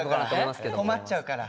困っちゃうから。